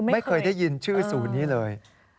ไม่เคยได้ยินชื่อศูนย์นี้เลย